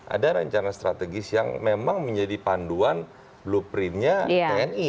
ada rencana strategis yang memang menjadi panduan blueprintnya tni